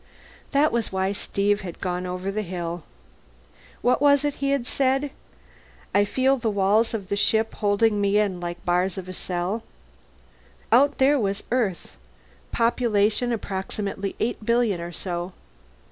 That was why Steve had gone over the hill. What was it he had said? I feel the walls of the ship holding me in like the bars of a cell. Out there was Earth, population approximately eight billion or so.